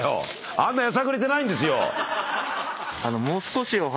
あんなやさぐれてないんですよ！